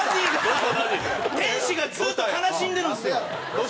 天使がずっと悲しんでるんですよ。